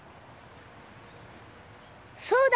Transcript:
そうだ！